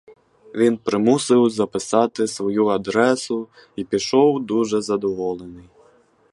Він примусив записати свою адресу й пішов дуже задоволений.